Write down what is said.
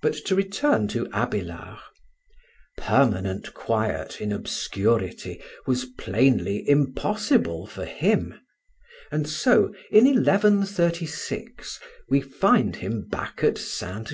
But to return to Abélard. Permanent quiet in obscurity was plainly impossible for him; and so in 1136 we find him back at Ste.